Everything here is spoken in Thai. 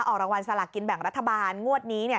ออกรางวัลสลากกินแบ่งรัฐบาลงวดนี้